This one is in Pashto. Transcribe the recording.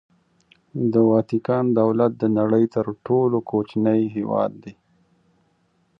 د واتیکان دولت د نړۍ تر ټولو کوچنی هېواد دی.